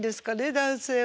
男性は。